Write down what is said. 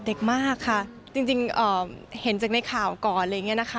เด็กมากค่ะจริงเห็นจากในข่าวก่อนอะไรอย่างนี้นะคะ